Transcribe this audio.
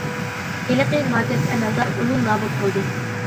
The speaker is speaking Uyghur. ھېلىقى ناكەس ئەمەلدار ئۇنى نابۇت قىلدى.